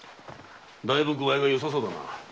だいぶ具合はよさそうだな。